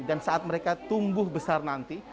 dan saat mereka tumbuh besar nanti